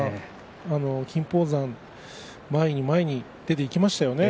金峰山前に前に出ていきましたよね。